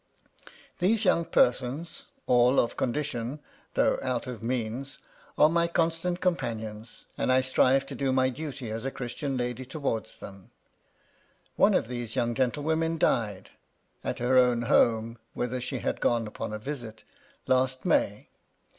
These ' young persons— all of condition, though out of means '— are my constant companions, and I strive to do my ' duty as a Christian lady towards them. One of these ^ young gentlewomen died (at her own home, whither * she had gone upon a visit) last May.